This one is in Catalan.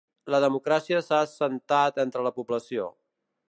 La democràcia s'ha assentat entre la població.